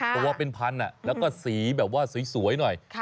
เพราะว่าเป็นพันธุ์น่ะแล้วก็สีแบบว่าสวยหน่อย